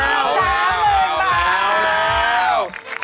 เอาแล้ว